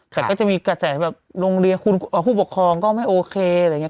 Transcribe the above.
แต่ก็จะมีกระแสแบบโรงเรียนคุณผู้ปกครองก็ไม่โอเคอะไรอย่างนี้